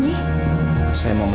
gak mikir apa apa kok